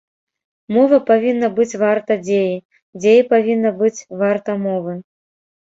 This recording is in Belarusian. Мова павінна быць варта дзеі, дзея павінна быць варта мовы.